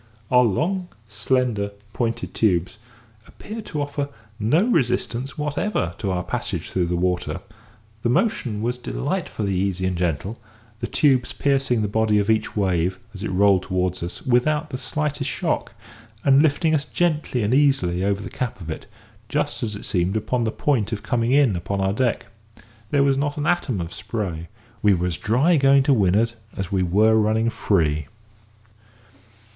Our long, slender, pointed tubes appeared to offer no resistance whatever to our passage through the water. The motion was delightfully easy and gentle, the tubes piercing the body of each wave, as it rolled towards us, without the slightest shock, and lifting us gently and easily over the cap of it, just as it seemed upon the point of coming in upon our deck. There was not an atom of spray; we were as dry going to windward as when running free.